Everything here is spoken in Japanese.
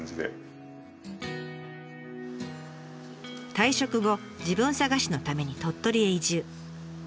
退職後自分探しのために鳥取へ移住。